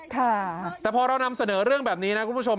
ค่ะแต่พอเรานำเสนอเรื่องแบบนี้นะคุณผู้ชม